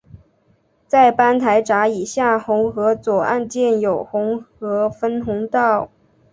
在班台闸以下洪河左岸建有洪河分洪道。